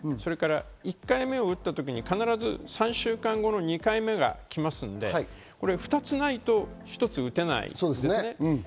１回目を打った時に、必ず３週間後の２回目が来ますので、２つないと１つ打てないんですね。